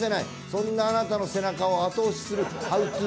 そんなあなたの背中を後押しするＨＯＷＴＯ